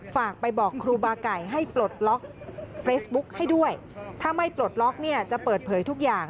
ฝากไปบอกครูบาไก่ให้ปลดล็อกเฟซบุ๊กให้ด้วยถ้าไม่ปลดล็อกเนี่ยจะเปิดเผยทุกอย่าง